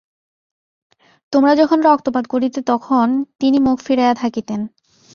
তোমরা যখন রক্তপাত করিতে তখন তিনি মুখ ফিরাইয়া থাকিতেন।